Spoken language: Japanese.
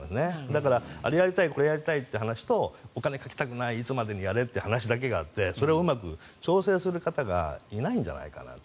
だから、あれやりたいこれやりたいって話とお金かけたくないいつまでにやれという話があってそれをうまく調整する方がいないんじゃないかなと。